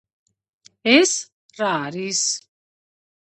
ეს რა არის?